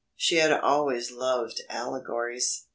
She had always loved allegories.